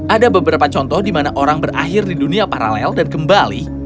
ada beberapa contoh di mana orang berakhir di dunia paralel dan kembali